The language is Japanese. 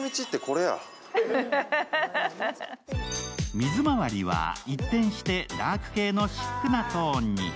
水回りは一転してダーク系のシックなトーンに。